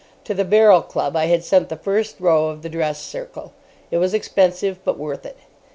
To the Barrel Club I had sent the first row of the dress circle. It was expensive, but worth it.